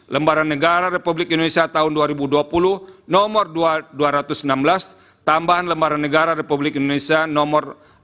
lembaran negara republik indonesia tahun dua ribu dua puluh no dua ratus enam belas tambahan lembaran negara republik indonesia no enam ribu lima ratus lima puluh empat